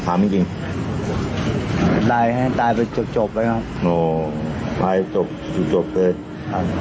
ถามจริงจริงตายให้ตายไปจบจบเลยครับโหตายจบคือจบเลยครับ